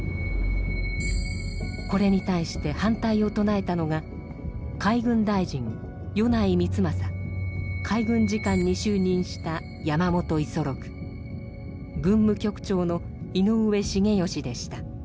これに対して反対を唱えたのが海軍大臣米内光政海軍次官に就任した山本五十六軍務局長の井上成美でした。